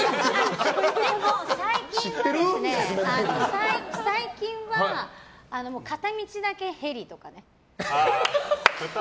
でも、最近は片道だけヘリとか。